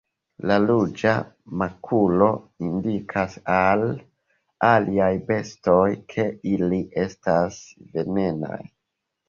La ruĝa makulo indikas al aliaj bestoj ke ili estas venenaj.